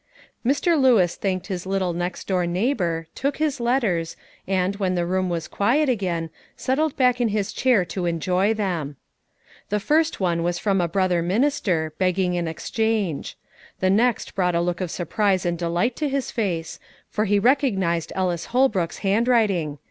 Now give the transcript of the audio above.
Mr. Lewis thanked his little next door neighbour, took his letters, and, when the room was quiet again, settled back in his chair to enjoy them. The first one was from a brother minister, begging an exchange. The next brought a look of surprise and delight to his face, for he recognised Ellis Holbrook's handwriting.